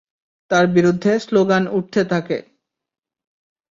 তার বিরুদ্ধে স্লোগান উঠতে থাকে।